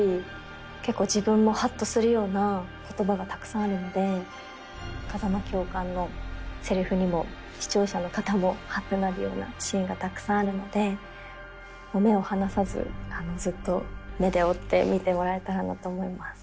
結構自分もハッとするような言葉がたくさんあるので風間教官のせりふにも視聴者の方もハッてなるようなシーンがたくさんあるので目を離さずずっと目で追って見てもらえたらなと思います。